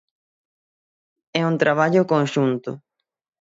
É un traballo conxunto.